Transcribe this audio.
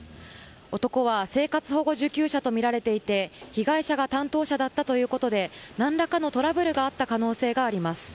男は生活保護受給者とみられていて被害者が担当者だったということで何らかのトラブルがあった可能性があります。